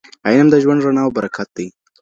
علم د ژوند رڼا او برکت دی.